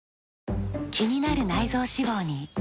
気になる内臓脂肪に。